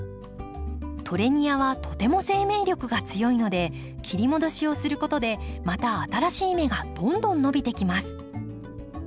トレニアはとても生命力が強いので切り戻しをすることでまた新しい芽がどんどん伸びてきます。